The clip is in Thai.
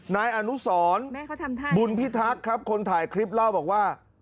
นายอนุสรบุญพิทักษ์ครับคนถ่ายคลิปเล่าบอกว่า